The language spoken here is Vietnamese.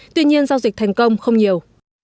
tuy nhiên giao dịch thành công không nhiều